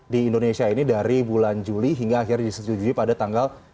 di indonesia ini dari bulan juli hingga akhir di tujuh juli pada tanggal